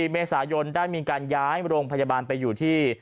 ๔เมษายนได้มีการย้ายโรงพยาบาลไปอยู่ที่